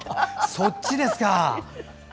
そっちですか！